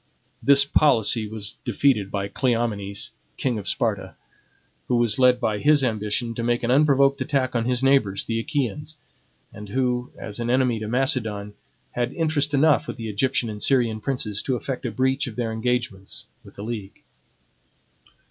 This policy was defeated by Cleomenes, king of Sparta, who was led by his ambition to make an unprovoked attack on his neighbors, the Achaeans, and who, as an enemy to Macedon, had interest enough with the Egyptian and Syrian princes to effect a breach of their engagements with the league.